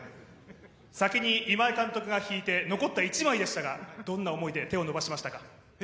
先に今江監督が引いて、残った１枚でしたが、どんな思いで手を伸ばしましたか。